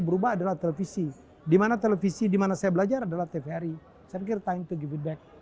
berubah adalah televisi dimana televisi dimana saya belajar adalah tvri saya pikir time to give back